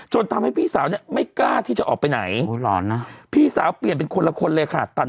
ทำให้พี่สาวเนี่ยไม่กล้าที่จะออกไปไหนพี่สาวเปลี่ยนเป็นคนละคนเลยค่ะ